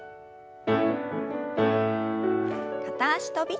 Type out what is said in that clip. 片脚跳び。